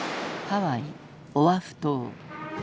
ハワイオアフ島。